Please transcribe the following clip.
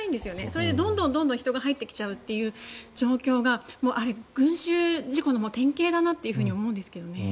それで、どんどん人が入ってきちゃうという状況が群衆事故の典型だなって思うんですけどね。